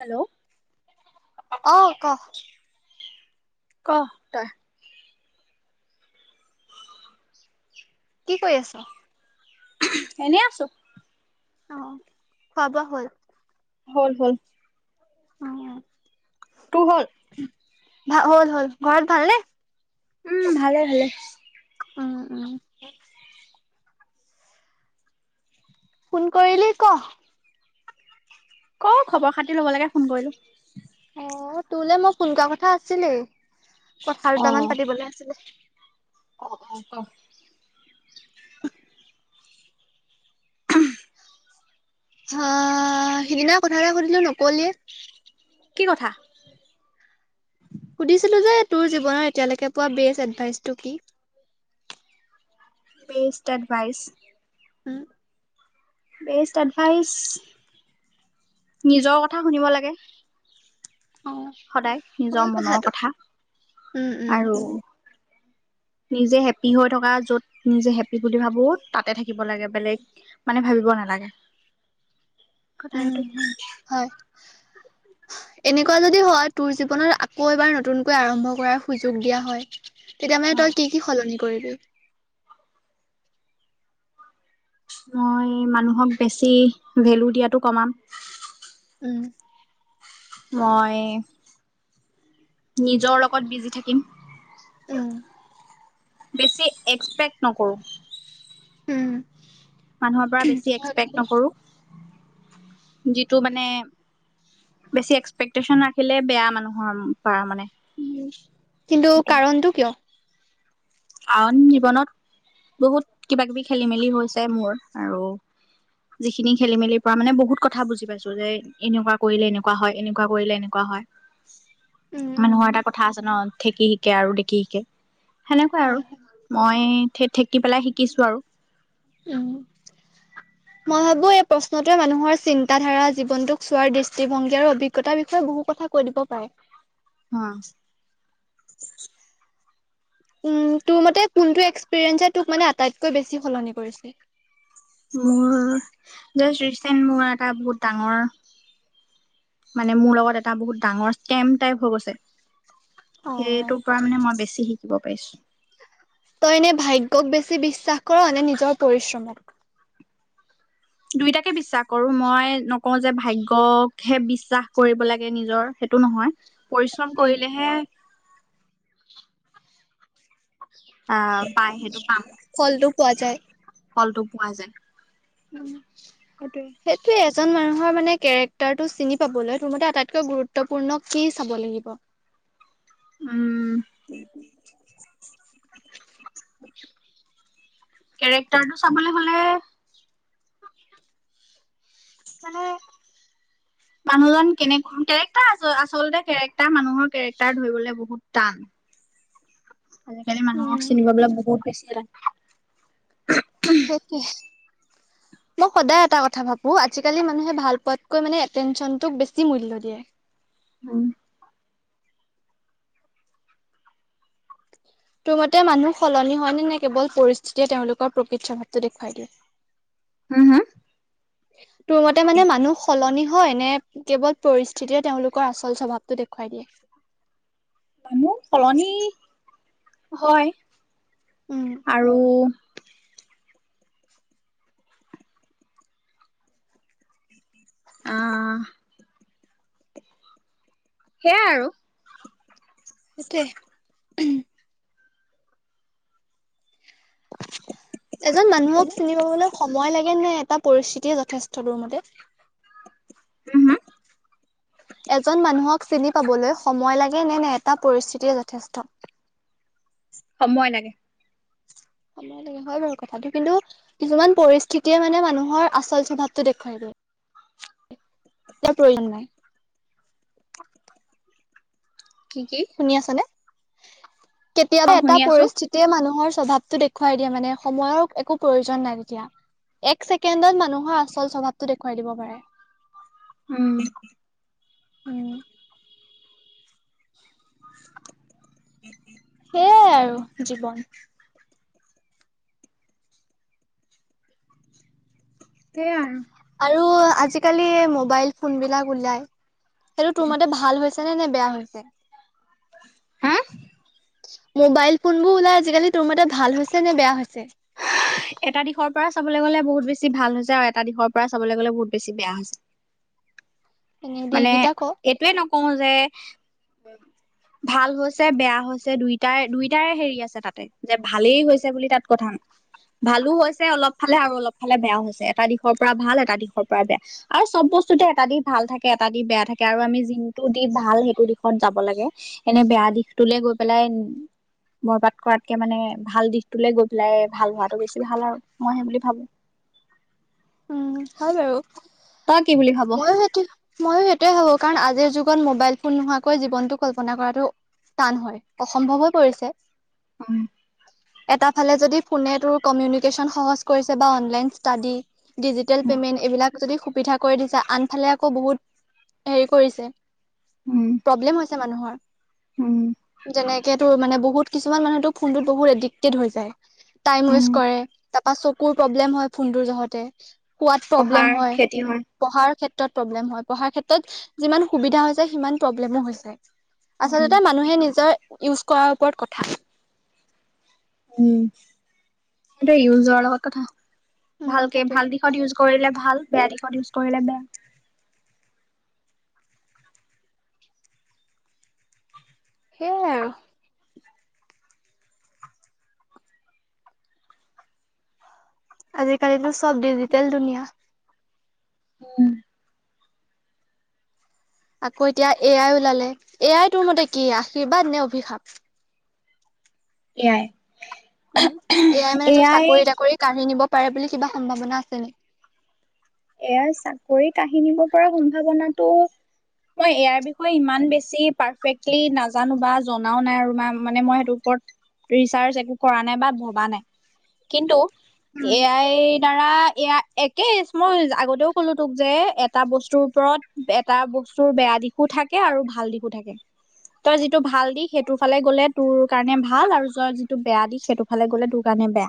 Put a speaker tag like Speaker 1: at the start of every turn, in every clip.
Speaker 1: Hello
Speaker 2: অহ কক।
Speaker 1: ক তই
Speaker 2: কি কৰি আছ
Speaker 1: উহ এনেই আছো।
Speaker 2: অহ খোৱা বোৱা হ'ল।
Speaker 1: হল হল।
Speaker 2: অহ
Speaker 1: তোৰ হ'ল।
Speaker 2: উম ভা হল হল ঘৰত ভাল‌ নে।
Speaker 1: উম ভালে ভালে
Speaker 2: উম উম ফোন কৰিলি ক।
Speaker 1: ক খবৰ খাতি লব লাগে ফোন কৰিলোঁ।
Speaker 2: অ তোলে মই ফোন কৰা কথা আছিলেই কথা দুটামান পাতিবলৈ আছিলে।
Speaker 1: অ অ অ ক উহ।
Speaker 2: চাচচ সিদিনা কথা এটা সুধিলো নকলিয়ে।
Speaker 1: কি কথা।
Speaker 2: সুধিছিলোঁ যে তোৰ জীৱনৰ এতিয়ালৈকে পোৱা বেষ্ট এডভাইচটো কি।
Speaker 1: Best advice.
Speaker 2: উম
Speaker 1: বেষ্ট এডভাইচ নিজৰ কথা শুনিব লাগে।
Speaker 2: অ
Speaker 1: সদায় নিজৰ
Speaker 2: হয়
Speaker 1: মনৰ
Speaker 2: কথাটো
Speaker 1: কথা
Speaker 2: উম উম
Speaker 1: আৰু। নিজে হেপ্পী হৈ থকা য'ত নিজে হেপ্পী বুলি ভাবো তাতে থাকিব লাগে বেলেগ। মানে ভাবিব নালাগে কথা
Speaker 2: উম
Speaker 1: সেইটো।
Speaker 2: উম হয় এনেকুৱা যদি হয় তোৰ জীৱনত আকৌ এবাৰ নতুনকৈ আৰম্ভ কৰাৰ সুযোগ দিয়া হয়। তেতিয়া মানে তই কি কি সলনি কৰিবি।
Speaker 1: মই মানুহক বেছি ভেলো দিয়াতো কমাম।
Speaker 2: উম
Speaker 1: মই নিজৰ লগত বিজি থাকিম।
Speaker 2: উম
Speaker 1: বেছি এক্সপেক্ট নকৰোঁ
Speaker 2: উম
Speaker 1: মানুহৰ পৰা বেছি এক্সপেক্ট নকৰোঁ যিটো মানে। বেছি এক্সপেক্টটেচন ৰাখিলে বেয়া মানুহৰ পৰা মানে।
Speaker 2: উম কিন্তু কাৰণটো কিয়।
Speaker 1: আউন জীৱনত বহুত কিবা কিবি খেলি মেলি হৈছে মোৰ আৰু। যিখিনি খেলি মেলিৰ পৰা মানে বহুত কথা বুজি পাইছো যে এনেকুৱা কৰিলে এনেকুৱা হয় এনেকুৱা কৰিলে এনেকুৱা হয়।
Speaker 2: উম। উম,
Speaker 1: মানুহৰ এটা কথা আছে ন ঠেকি শিকে আৰু দেখি শিকে। টোৱে আৰু
Speaker 2: হয়, হয়,
Speaker 1: মই ঠে ঠেকি পেলাই শিকিছো আৰু।
Speaker 2: অ'।
Speaker 1: [unintelligible]
Speaker 2: মই ভাবো এই প্ৰশ্নটোৱে মানুহৰ চিন্তাধাৰা জীৱনটোক চোৱাৰ দৃষ্টিভংগী আৰু অভিজ্ঞতাৰ বিষয়ে বহু কথা। কৈ দিব পাৰে।
Speaker 1: হম।
Speaker 2: উম, তোৰ মতে কোনটো এক্সপিৰিয়েঞ্চ তোক মানে আটাইতকৈ বেছি সলনি কৰিছে?
Speaker 1: মোৰ জাষ্ট ৰিচেণ্ট মোৰ এটা বহুত ডাঙৰ মানে মোৰ লগত এটা বহুত ডাঙৰ স্কেম টাইপ হৈ গৈছে।
Speaker 2: অ',
Speaker 1: সেইটোৰ পৰা মানে মই বেছি শিকিব পাৰিছো।
Speaker 2: তই এনে ভাগ্যক বেছি বিশ্বাস কৰা নে নিজৰ পৰিশ্ৰমক।
Speaker 1: দুইটাকে বিশ্বাস কৰো মই নকওঁ যে ভাগ্যকহে বিশ্বাস কৰিব লাগে নিজৰ সেইটো নহয়। পৰিশ্ৰম
Speaker 2: উম,
Speaker 1: কৰিলেহে আ পাই সেইটো পাম।
Speaker 2: ফলটো পোৱা যায়।
Speaker 1: ফলটো পোৱা যায়।
Speaker 2: উম।
Speaker 1: সেইটোৱে।
Speaker 2: সেইটোৱে এজন মানুহৰ মানে কেৰেক্টাৰটো চিনি পাবলৈ তোৰ মতে আটাইতকৈ গুৰুত্বপূৰ্ণ কি চাব লাগিব।
Speaker 1: উম। কেৰেক্টাৰটো চাবলৈ হ'লে মানে মানুহজন কেনেক কেৰেক্টাৰ আচল আচলতে কেৰেক্টাৰ মানুহৰ কেৰেক্টাৰ ধৰিবলৈ বহুত টান। আজিকালি
Speaker 2: উম,
Speaker 1: মানুহক চিনিব পাবলে বহুত বেছি টান।
Speaker 2: সেইটোৱে।
Speaker 1: [inaudible]
Speaker 2: মই সদায় এটা কথা ভাবো আজিকালি মানুহে ভাল পোৱাতকৈ মানে এটেনশ্যনটোক বেছি মূল্য দিয়ে।
Speaker 1: উম।
Speaker 2: তোৰ মতে মানুহ সলনি হয় নে-নে কেৱল পৰিস্থিতিয়ে তেওঁলোকৰ প্ৰকৃত স্বভাৱটো দেখুৱাই দিয়ে?
Speaker 1: হুম -হুম।
Speaker 2: তোৰ মতে মানে মানুহ স সলনি হয় নে কেৱল পৰিস্থিতিয় তেওঁলোকৰ আচল স্বভাৱটো দেখুৱাই দিয়ে?
Speaker 1: মোৰ সলনি হয়।
Speaker 2: উম।
Speaker 1: আৰু আ সেয়াই আৰু
Speaker 2: আছে
Speaker 1: [unintelligible]
Speaker 2: এজন মানুহক চিনি পাবলৈ সময় লাগে নে এটা পৰিস্থিতিয়ে যথেষ্ট তোৰ মতে?
Speaker 1: উম
Speaker 2: এজন মানুহক চিনি পাবলৈ সময় লাগে নে -নে এটা পৰিস্থিতিয়ে যথেষ্ট?
Speaker 1: সময় লাগে।
Speaker 2: সময় লাগে হয় বাৰু কথাটো কিন্তু কিছুমান পৰিস্থিতিয়ে মানে মানুহৰ আচল স্বভাৱটো দেখুৱাই প্ৰয়োজন নাই
Speaker 1: কি কি
Speaker 2: শুনি আছা নে
Speaker 1: অ
Speaker 2: কেতিয়াবা এটা
Speaker 1: শুনি আছো
Speaker 2: পৰিস্থি তিযে মানুহৰ স্বভাৱটো দেখুৱাই দিয়ে মানে সময়ৰ একো প্ৰয়োজন নাই তেতিয়া এক ছেকেণ্ডত মানুহৰ আচল স্বভাৱটো দেখুৱাই দিব পাৰে
Speaker 1: উম
Speaker 2: উম
Speaker 1: [unintelligible]
Speaker 2: সেয়াই আৰু জীৱন
Speaker 1: সেয়াই
Speaker 2: আৰু আজিকালি মোবাইল ফোন বিলাক উলাই সেইটো তোৰ মতে ভাল হৈছে নে নে বেয়া হৈছে
Speaker 1: হুম
Speaker 2: মোবাইল ফোন বোৰ ওলাই আজিকালি তোৰ মতে ভাল হৈছে নে বেয়া হৈছে
Speaker 1: এটা দিশৰ পৰা চাবলে গ'লে বহুত বেছি ভাল হৈছে আও এটা দিশৰ পৰা চাবলে গলে বহুত বেছি বেয়া হৈছে
Speaker 2: এনেই
Speaker 1: মানে
Speaker 2: এইকেইটা ক।
Speaker 1: এইটোৱে নকওঁ যে ভাল হৈছে বেয়া হৈছে দুইটাই দুইটাৰে হেৰি আছে তাতে যে ভালেই হৈছে বুলি তাত কথা ভালো হৈছে অলপ ফালে আৰু অলপ ফালে বেয়াও হৈছে এটা দিশৰ পৰা ভাল এটা দিশৰ পৰা বেয়া আৰু চব বস্তুতে এটা দিশ ভাল থা কে এটা দিশ বেয়া থাকে আৰু আমি যিটো দিশ ভাল সেইটো দিশত যাব লাগে এনে বেয়া দিশটোলৈ গৈ পেলাই বৰবাদ কৰাতকে মানে ভাল দিশটোলে গৈ পেলাই ভাল হোৱাটো বেছি ভাল আৰু মই সেই বুলি ভাবো
Speaker 2: উম হয় বাৰু
Speaker 1: তাই কি বুলি ভাব?
Speaker 2: ময়ো সেইটো ময়ো সেইটোৱে ভাবো কাৰণ আজিৰ যুগত মোবাইল ফোন নোহোৱাকৈ জীৱনটো কল্পনা কৰাটো টান হয় অসম্ভৱ হৈ পৰিছে
Speaker 1: অ
Speaker 2: এটা ফালে যদি ফোনে তোৰ কমিউনিকেশ্যন সহজ কৰিছে বা অনলাইন ষ্টাডি ডিজিটেল
Speaker 1: উম
Speaker 2: পেমেণ্ট এইবিলাক যদি সুবি কৰি দিছে আনফালে আকৌ বহুত হেৰি কৰিছে প্ৰব্লেম হৈছে মানুহৰ
Speaker 1: উম
Speaker 2: যেনেকে তোৰ মানে বহুত কিছুমান মানুহেটো ফোনটোত বহুত এডিক্টেড হৈ যায় টাইম
Speaker 1: উম,
Speaker 2: ৱেষ্ট কৰে তাপা চকুৰ প্ৰব্লেম হয় ফোনটোৰ জহতে শুৱাত
Speaker 1: পঢ়াৰ
Speaker 2: প্ৰব্লেম হয়
Speaker 1: ক্ষতি
Speaker 2: পঢ়াৰ ক্ষেত্ৰত প্ৰব্লেম হয় পঢ়াৰ ক্ষেত্ৰত যিমান সুবিধা হৈছো সিমান প্ৰব্লেমো হৈছে
Speaker 1: উম
Speaker 2: আচলতে মানুহে নিজৰ ইউজ কৰাৰ ওপৰত কথা
Speaker 1: উম সেইটোৱে ইউজৰ লগত কথা
Speaker 2: উম
Speaker 1: ভালকে
Speaker 2: সেইটোৱে
Speaker 1: ভাল দিশত ইউজ কৰিলে ভাল বেয়া দিশত ইউজ কৰিলে বেয়া
Speaker 2: সেইয়াই আৰু আজিকালিতো চব ডিজিটেল দুনিয়া
Speaker 1: উম
Speaker 2: আকৌ এতিয়া এ আই ওলালে এ আই তোৰ মতে কি আশীৰ্বাদ নে অভিশাপ
Speaker 1: এ আই
Speaker 2: উম, এয়াই মানে তোৰ চাকৰি তাকৰি কাঢ়ি নিব পাৰে বুলি কিবা সম্ভাৱনা আছে নি?
Speaker 1: এ আই চাকৰি কাৰি নিব পৰা সম্ভাৱনাটো মই এ আইৰ বিষয়ে ইমান বেছি পাৰফেক্টলি নাজানো বা জনাও নাই আৰু মানে মই সেইটো ওপৰত ৰিচাৰ্চ একো কৰা নাই বা ভবা নাই কিন্তু এ আইৰ দাৰা, এয়া একেই মই আগতেও ক'লো তোক যে এটা বস্তুৰ ওপৰত, এটা বস্তুৰ বেয়া দিশ শো থাকে আৰু ভাল দিশো থাকে। তই যিটো ভাল দিশ সেইটোৰ ফালে গ'লে তোৰ কাৰণে ভাল আৰু তই য-যিটো বেয়া দিশ সেইটো ফালে গ'লে তোৰ কাৰণে বেয়া।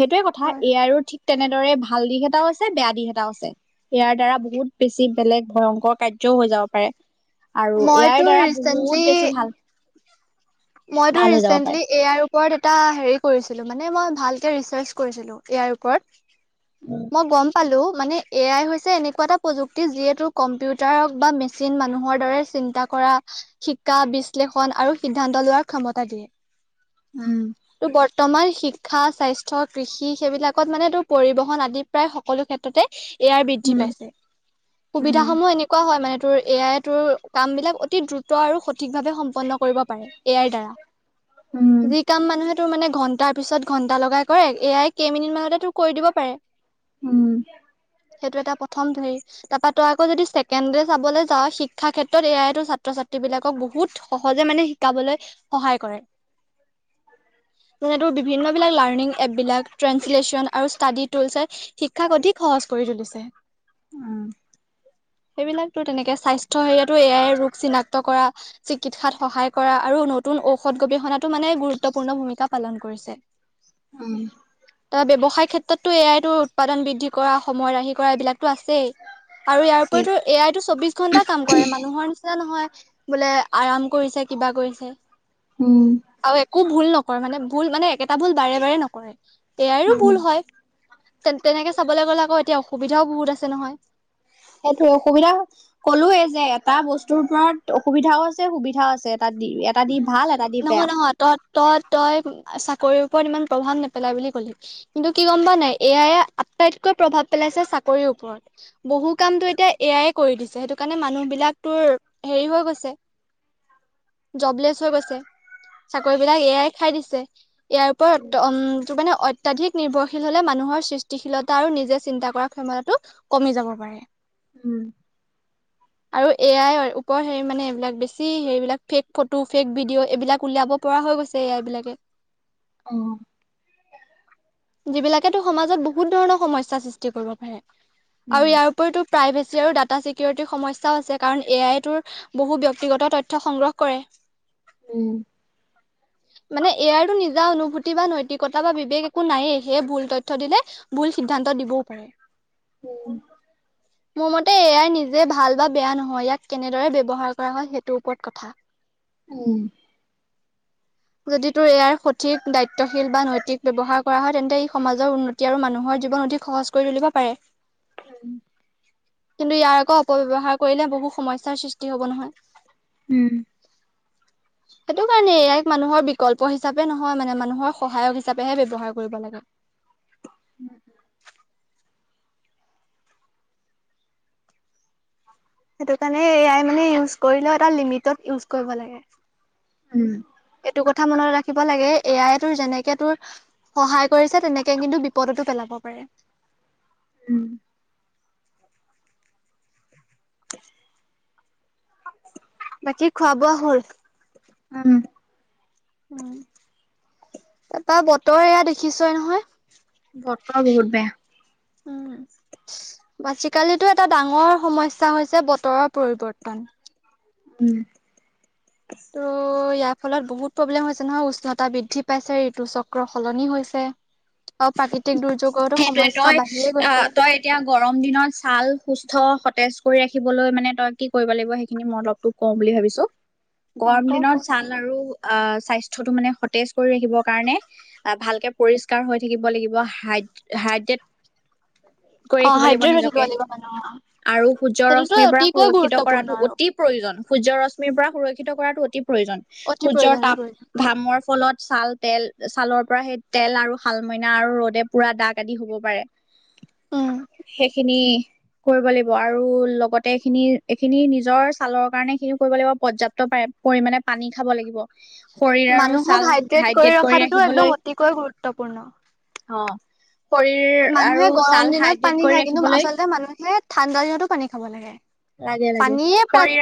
Speaker 1: সেইটোয়ে কথা
Speaker 2: হয়
Speaker 1: এ আইৰো আৰু ঠিক তেনেদৰে ভাল দিশ এটাও [unintelligible] [unintelligible] বেয়া দিশ এটাও আছে। ইয়াৰ দ্বাৰা বহুত বেছি বেলেগ ভয়ংকৰ কাৰ্যও হৈ যাব পাৰে। আৰু এ আইৰ
Speaker 2: মইতো
Speaker 1: দ্বাৰা
Speaker 2: ৰিচেন্টলি
Speaker 1: বহুত বেছি ভাল
Speaker 2: মইতো
Speaker 1: ভাল হৈ যাব পাৰে।
Speaker 2: ৰিচেন্টলি এ আইৰ ওপৰত এটা হেৰি কৰিছিলোঁ মানে মই ভালকে ৰিচাৰ্চ কৰিছিলোঁ, এ আইৰ ওপৰত।
Speaker 1: [inaudible]
Speaker 2: মই গম পালোঁ মানে এ আই হৈছে এনেকুৱা এটা প্ৰযুক্তি যিয়ে তোৰ কম্পিউটাৰক বা মেচিন মানুহৰ দৰে চিন্তা কৰা, শিকা বিশ্লেষণ আৰু সিদ্ধান্ত লোৱাৰ ক্ষমতা দিয়ে।
Speaker 1: উম।
Speaker 2: ত' বৰ্তমান শিক্ষা, স্বাস্থ্য, কৃষি সেইবিলাকত মানে তোৰ পৰিবহন আদি প্ৰায় সকলো ক্ষেত্ৰতে এ আই বৃদ্ধি
Speaker 1: উম,
Speaker 2: পাইছে। সুবিধাস সমূহ এনে কোৱা হয় মানে তোৰ এ আই তোৰ কামবিলাক অতি দ্ৰুত আৰু সঠিক ভাৱে সম্পন্ন কৰিব পা এ আইৰ দ্বাৰা
Speaker 1: উম,
Speaker 2: যি কাম মানুহে তোৰ মানে ঘণ্টাৰ পিছত ঘণ্টা লগাই কৰে, এয়াই কেইমিনিট মানতে তোৰ কৰি দিব পাৰে।
Speaker 1: উম।
Speaker 2: সেইটো এটা প্ৰথম ধৰি তাৰপা তই আকৌ যদি ছেকেণ্ড চাবলৈ যাওঁ শিক্ষাৰ ক্ষেত্ৰত এ আইটো চা ছাত্ৰ ছাত্ৰীবিলাকক বহুত সহজে মানে শিকাবলৈ সহায় কৰে।
Speaker 1: [unintelligible]
Speaker 2: [unintelligible] বিভিন্নবিলাক লাৰ্ণিং এপবিলাক, ট্ৰেঞ্চলেচন আৰু ষ্টাডি টুলচে শিক্ষাক অধিক সহজ কৰি তুলিছে।
Speaker 1: উম।
Speaker 2: সেইবিলাক তোৰ তেনেকে স্বাস্থ্য সেৱাতো এ এয়াৰ ৰোগ চিনাক্ত কৰা, চিকিৎসাত সহায় কৰা আৰু নতুন ঔষধ গৱেষণাতো মানে গুৰুত্বপূৰ্ণ ভূমিকা পালন কৰিছে।
Speaker 1: উম।
Speaker 2: ত' ব্যৱসায় ক্ষেত্ৰততো এ আইতো উৎপাদন বৃদ্ধি কৰা, সময় ৰাহি কৰা এইবিলাকতো আছেই। আৰু ইয়াৰ
Speaker 1: ঠিক
Speaker 2: উপৰিতো এ আইতো চৌবিশ ঘণ্টা কাম কৰে, মানুহৰ না নহয়, বোলে আৰাম কৰিছে, কিবা কৰিছে।
Speaker 1: উম।
Speaker 2: আৰু একো ভুল নকৰে মানে ভুল মানে একেটা ভুল বাৰে বাৰে নকৰে। এ আইৰো
Speaker 1: উম,
Speaker 2: ভুল হয়, তে-তেনেকে চাবলৈ গলে আকৌ এতিয়া অসুবিধাও বহুত আছে নহয়।
Speaker 1: সেইটো অসুবিধা ক'লোৱে যে এটা বস্তুৰ ওপৰত অসুবিধাও আছে সুবিধাও আছে [unintelligible]
Speaker 2: উ,
Speaker 1: এটা দি বেয়া
Speaker 2: নহয় নহয় ত তই তই চাকৰিৰ ওপৰত ইমান প্ৰভাৱ নেপেলাই বুলি ক'লি। কিন্তু কি গম পোৱা নাই এ আইয়ে আটাইতকৈ প্ৰভাৱ পেলাইছে চাকৰিৰ ওপৰত। বহু কামতো এতিয়া এয়াই কৰি দিছে, সেইটো কাৰণে মানুহবিলাক তোৰ হেৰি হৈ গৈছে। জবলেছ হৈ গৈছে, চাকৰিবিলাক এ আই খাই দিছে। ইয়াৰ ওপৰত ত ওম মানে অত্যাধিক নিৰ্ভৰশীল হলে মানুহৰ সৃষ্টিশীলতা আৰু নিজে চিন্তা কৰা - ক্ষমতাটো কমি যাব পাৰে।
Speaker 1: উম।
Speaker 2: আৰু এ আইৰ ওপৰ হেৰি মানে এইবিলাক বেছি হেৰিবিলাক - ফেক ফটো ফেক ভিডিঅ' এইবিলাক উলিয়াব পৰা হৈ গৈছে এ আই এইবিলাকে।
Speaker 1: অ।
Speaker 2: যিবিলাকেতো সমাজত বহুত ধৰণৰ সমস্যা সৃষ্টি কৰিব পাৰে। আৰু
Speaker 1: উম
Speaker 2: ইয়াৰ উপৰিতো- প্ৰাইভেচি আৰু ডাটা চিকিউৰিটিৰ সমস্যাও আছে কাৰণ এ আই তোৰ - বহু ব্যক্তিগত তথ্য সংগ্ৰহ কৰে।
Speaker 1: উম।
Speaker 2: মানে এ আইৰো নিজা অনুভূতি বা নৈতিকতা বা বিবেক - একো নায়েই সেয়ে ভুল তথ্য দিলে ভুল সিদ্ধান্ত দিবও পাৰে।
Speaker 1: উম।
Speaker 2: মোৰ মতে এ আই নিজে ভাল বা বেয়া নহয় ইয়াক কেনেদৰে ব্যৱহাৰ কৰা হয় সেইটোৰ ওপৰত কথা।
Speaker 1: উম।
Speaker 2: যদি তোৰ ইয়াৰ সঠিক দায়িত্বশীল বা নৈতিক ব্যৱহাৰ - কৰা হয় তেন্তে ই সমাজৰ উন্নতি আৰু মানুহৰ জীৱন অধিক সহজ কৰি তুলিব পাৰে।
Speaker 1: উম।
Speaker 2: কিন্তু ইয়াৰ আকৌ অপব্যৱহাৰ কৰিলে বহু সমস্যাৰ সৃষ্টি হব নহয়।
Speaker 1: উম।
Speaker 2: সেইটো কাৰণে এ আইক মানুহৰ বিকল্প হিচাপে নহয় মানে মানুহৰ সহায়ক হিচাপেহে ব্যৱহাৰ কৰিব লাগে। সেইটো কাৰণে এ আই মানে ইউজ কৰিলেও এটা লিমিটত ইউজ কৰিব লাগে।
Speaker 1: উম।
Speaker 2: এইটো কথা মনত ৰাখিব লাগে এ আই তোৰ যেনেকে তোৰ - সহায় কৰিছে তেনেকে কিন্তু বিপদতো পেলাব পাৰে।
Speaker 1: উম।
Speaker 2: বাকী খোৱা বোৱা হ'ল?
Speaker 1: ওম।
Speaker 2: উম, তা পা বতৰ এইয়া দেখিয়েই নহয়!
Speaker 1: বতৰ বহুত বেয়া।
Speaker 2: উম আজিকালিতো এটা ডাঙৰ সমস্যা হৈছে বতৰৰ পৰিৱৰ্তন।
Speaker 1: উম।
Speaker 2: আৰু ইয়াৰ ফলত বহুত প্ৰব্লেম হৈছে নহয় উষ্ণতা বৃদ্ধি পাইছে ঋতু চক্ৰ সলনি হৈছে।
Speaker 1: [inaudible]
Speaker 2: আৰু প্ৰাকৃতিক দুৰ্যোগতো
Speaker 1: সেইটোৱে
Speaker 2: সমস্যা
Speaker 1: তই
Speaker 2: বাঢ়িয়ে
Speaker 1: আহ
Speaker 2: গৈছে।
Speaker 1: তই এতিয়া গৰম দিনত ছাল সুস্থ সতেজ কৰি ৰাখিবলৈ মানে তই কি কৰিব লাগিব সেইখিনি মোৰ অলপটো - ক‌ওঁ বুলি ভাবিছো।
Speaker 2: অ
Speaker 1: গৰম
Speaker 2: ক ক
Speaker 1: দিনত ছাল আৰু - অ স্বাস্থ্যটো মানে সতেজ কৰি ৰাখিবৰ কাৰণে ভালকে পৰিষ্কাৰ হৈ - থাকিব লাগিব। হাই হাইড্ৰেট -
Speaker 2: অ হায়ড্ৰেট দিব লাগিব অ অ।
Speaker 1: আৰু সূৰ্য্য ৰশ্মিৰ পৰা সুৰক্ষিত কৰাটো
Speaker 2: আৰু
Speaker 1: অতি - প্ৰয়োজন। সূৰ্য্যৰ ৰশ্মিৰ পৰা সুৰক্ষিত কৰাটো অতি প্ৰয়োজন।
Speaker 2: অতি
Speaker 1: সূৰ্য্যৰ
Speaker 2: প্ৰয়োজনীয়
Speaker 1: তাপ
Speaker 2: প্ৰয়োজন
Speaker 1: - ঘামৰ ফলত ছাল তেল ছালৰ পৰা সেই তেল আৰু - হাল মইনা আৰু ৰ'দে পুৰা দাগ আদি হব পাৰে।
Speaker 2: উম
Speaker 1: সেইখিনি - কৰিব লাগিব। আৰু লগতে এইখিনি এইখিনি নিজৰ ছালৰ কাৰণে কি খিনি কৰিব লাগিব পৰ্যাপ্ত পাৰে - পৰিমাণে পানী খাব লাগিব শৰীৰ আৰু ছাল হাইড্ৰেট কৰি ৰাখিবলৈ।
Speaker 2: খৈ গুৰুত্বপূৰ্ণ।
Speaker 1: অঁ।
Speaker 2: মানুহে গৰম দিনত
Speaker 1: হাইড্ৰেট
Speaker 2: পানী
Speaker 1: কৰি
Speaker 2: খায় কিন্তু
Speaker 1: ৰাখিবলৈ
Speaker 2: আচলতে মানুহে ঠাণ্ডা দিনতো পানী খাব লাগে।
Speaker 1: লাগে লাগে
Speaker 2: পানীয়ে প্ৰায়
Speaker 1: শৰীৰ।